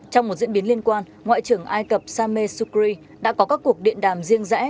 trong một diễn biến liên quan ngoại trưởng ai cập sameh sukri đã có các cuộc điện đàm riêng rẽ